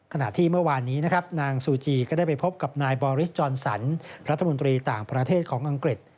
ขณะที่เมื่อวานนี้นะครับนางซูจีก็ได้ไปพบกับนายบอริสจอนสันรัฐมนตรีต่างประเทศของอังกฤษ